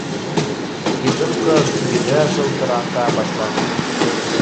Китын ҡыҙ биҙрә шылтырата башланы